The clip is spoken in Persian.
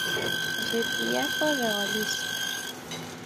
ضدیت با رئالیسم